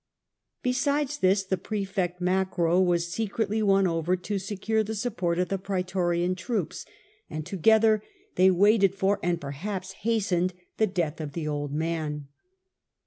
Besides this the praefect Macro was secretly won over to secure the support of the praetorian troops, and together they waited for and perhaps hastened the death of the old man.